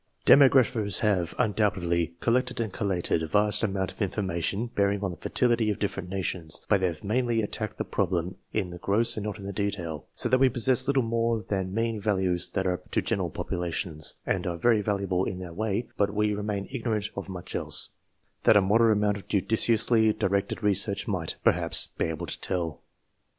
Demographers have, undoubtedly, collected and collated a vast amount of information bearing on the fertility of different nations, but they have mainly attacked the prob lem in the gross and not in detail, so that we possess little more than mean values that are applicable to general populations, and are very valuable in their way, but we remain ignorant of much else, that a moderate amount of judiciously directed research might, perhaps, be able to tell.